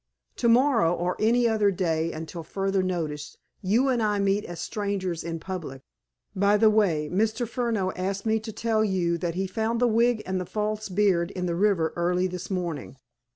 To morrow or any other day until further notice, you and I meet as strangers in public. By the way, Mr. Furneaux asked me to tell you that he found the wig and the false beard in the river early this morning.